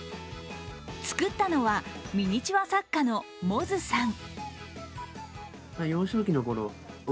作ったのはミニチュア作家のＭｏｚｕさん。